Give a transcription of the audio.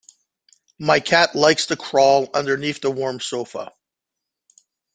My cat likes to crawl underneath the warm sofa.